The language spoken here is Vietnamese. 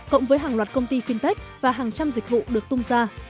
cộng với hàng loạt công ty fintech và hàng trăm dịch vụ được tung ra